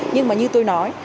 nhưng mà như tôi nói